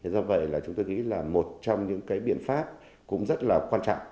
do vậy là chúng tôi nghĩ là một trong những cái biện pháp cũng rất là quan trọng